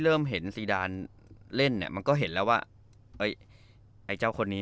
เริ่มเห็นซีดานเล่นเนี่ยมันก็เห็นแล้วว่าเอ้ยไอ้เจ้าคนนี้